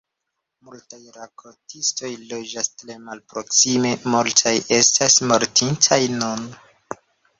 Multaj rakontistoj loĝas tre malproksime, multaj estas mortintaj nun.